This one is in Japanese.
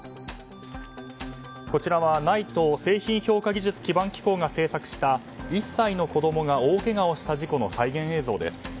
こちらは、ＮＩＴＥ・製品評価技術基盤機構が制作した１歳の子供が大けがをした事故の再現映像です。